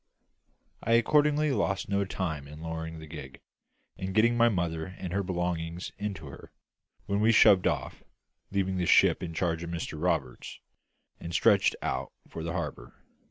I accordingly lost no time in lowering the gig, and getting my mother and her belongings into her; when we shoved off leaving the ship in charge of Mr Roberts and stretched out for the harbour.